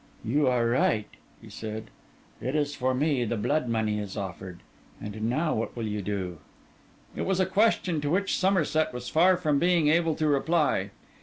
'You are right,' he said. 'It is for me the blood money is offered. And now what will you do?' It was a question to which Somerset was far from being able to reply.